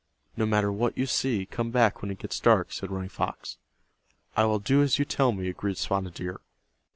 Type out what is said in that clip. "No matter what you see, come back when it gets dark," said Running Fox, "I will do as you tell me," agreed Spotted Deer.